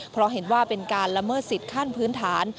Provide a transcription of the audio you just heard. เพราะเห็นว่าเป็นการละเมิดสิทธิ์ขั้นพื้นฐาน